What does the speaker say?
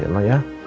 ya allah ya